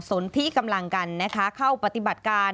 สนที่กำลังกันนะคะเข้าปฏิบัติการ